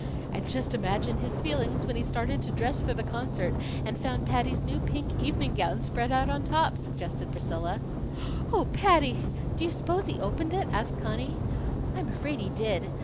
"And just imagine his feelings when he started to dress for the concert, and found Patty's new pink evening gown spread out on top!" suggested Priscilla. "Oh, Patty! Do you s'pose he opened it?" asked Conny. "I'm afraid he did.